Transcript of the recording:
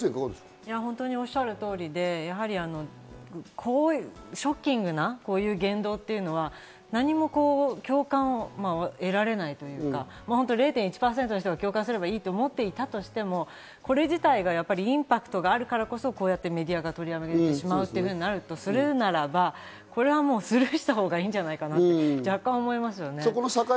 おっしゃる通りで、ショッキングなこういう言動というのは何も共感を得られないというか０．１％の人が共感すればいいと思っていたとしても、これ自体がインパクトがあるからこそ、こうやってメディアが取り上げてしまうという面があるとするならば、これはもうスルーしたほうがいいんじゃないかって若干思いますよね。